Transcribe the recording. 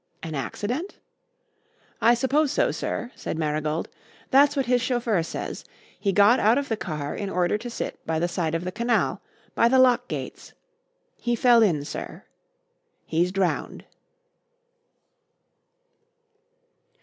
"An accident?" "I suppose so, sir," said Marigold. "That's what his chauffeur says. He got out of the car in order to sit by the side of the canal by the lock gates. He fell in, sir. He's drowned."